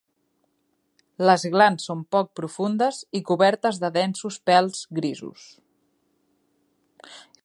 Les glans són poc profundes i cobertes de densos pèls grisos.